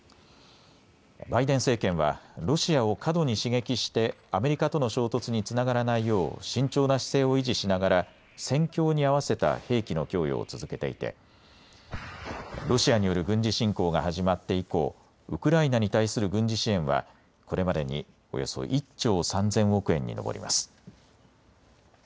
バイデン政権はロシアを過度に刺激してアメリカとの衝突につながらないよう慎重な姿勢を維持しながら戦況に合わせた兵器の供与を続けていてロシアによる軍事侵攻が始まって以降、ウクライナに対する軍事支援はこれまでにおよそ１兆３０００億円に上ります。